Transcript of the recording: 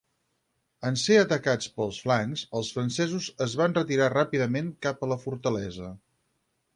En ser atacats pels flancs, els francesos es van retirar ràpidament cap a la fortalesa.